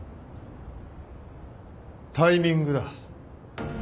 タイミングだ。